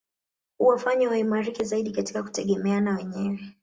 Huwafanya waimarike zaidi katika kutegemeana wenyewe